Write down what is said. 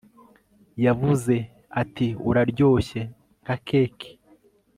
yavuze ati uraryoshye nka cake